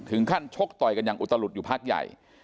ชกต่อยกันอย่างอุตลุดอยู่พักใหญ่